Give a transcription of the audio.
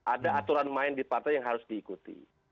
ada aturan main di partai yang harus diikuti